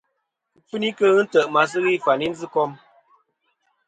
Kɨkfuni ghɨ ntè' ma a sɨ ghɨ ɨfyayn i njɨkom.